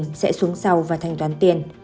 người phụ nữ đã xuống sau và thành toán tiền